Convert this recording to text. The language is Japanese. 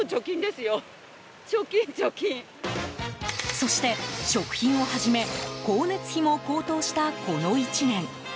そして、食品をはじめ光熱費も高騰したこの１年。